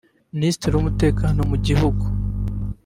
Minisitiri w’umutekano mu gihugu